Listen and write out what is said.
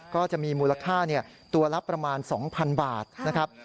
ก็จะมีมูลค่าตัวละประมาณ๒๐๐๐บาทนะครับ